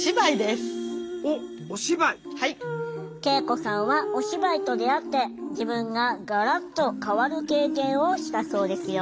圭永子さんはお芝居と出会って自分がガラッと変わる経験をしたそうですよ。